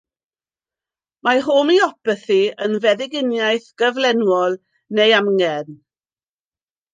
Mae homeopathi yn feddyginiaeth gyflenwol neu amgen.